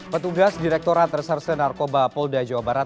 petugas direkturat reserse narkoba polda jawa barat